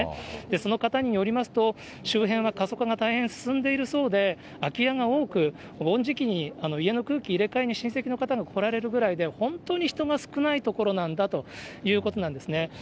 その方によりますと、周辺は過疎化が大変進んでいるそうで、空き家が多く、お盆時期に家の空気を入れ替えに、親戚の方が来られるぐらいで本当に人が少ない所なんだということですね。